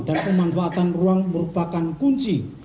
dan pemanfaatan ruang merupakan kunci